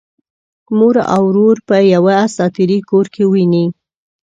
مور او ورور په یوه اساطیري کور کې ويني.